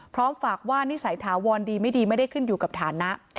พร้อมฝากว่านิสัยถาวรดีไม่ดีไม่ได้ขึ้นอยู่กับฐานะ